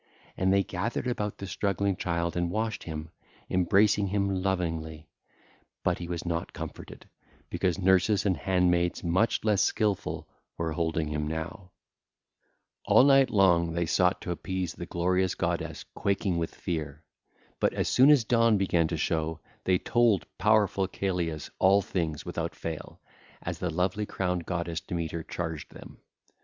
And they gathered about the struggling child and washed him, embracing him lovingly; but he was not comforted, because nurses and handmaids much less skilful were holding him now. (ll. 292 300) All night long they sought to appease the glorious goddess, quaking with fear. But, as soon as dawn began to show, they told powerful Celeus all things without fail, as the lovely crowned goddess Demeter charged them.